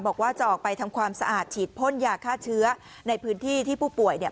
บอกว่าจะออกไปทำความสะอาดฉีดพ่นยาฆ่าเชื้อในพื้นที่ที่ผู้ป่วยเนี่ย